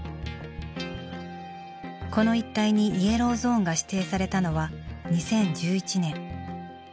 この一帯にイエローゾーンが指定されたのは２０１１年。